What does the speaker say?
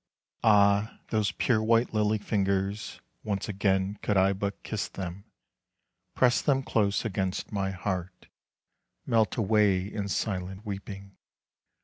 Ah, those pure white lily fingers, Once again could I but kiss them, Press them close against my heart, Melt away in silent weeping!